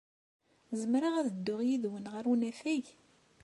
Zemreɣ ad dduɣ yid-wen ɣer unafag?